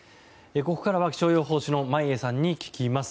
ここからは気象予報士の眞家さんに聞きます。